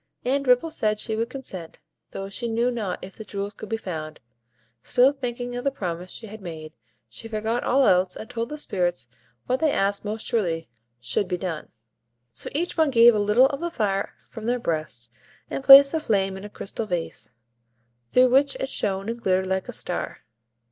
And Ripple said she would consent, though she knew not if the jewels could be found; still, thinking of the promise she had made, she forgot all else, and told the Spirits what they asked most surely should be done. So each one gave a little of the fire from their breasts, and placed the flame in a crystal vase, through which it shone and glittered like a star.